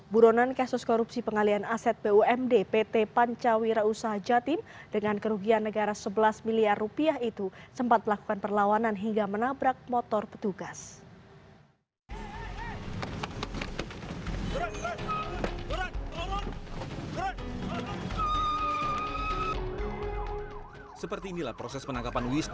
buronan kasus korupsi pengalian aset bumd pt pancawira usaha jatim dengan kerugian negara sebelas miliar rupiah itu sempat melakukan perlawanan hingga menabrak motor petugas